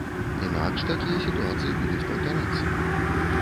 Інакш такія сітуацыі будуць паўтарацца.